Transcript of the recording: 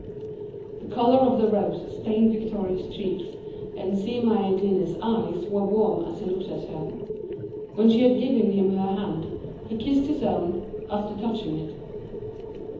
The colour of the rose stained Victoria's cheeks, and Si Maïeddine's eyes were warm as he looked at her. When she had given him her hand, he kissed his own, after touching it.